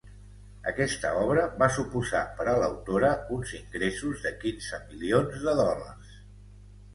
Aquesta obra va suposar per a l'autora uns ingressos de quinze milions de dòlars.